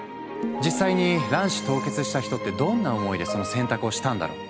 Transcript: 実際に卵子凍結した人ってどんな思いでその選択をしたんだろう？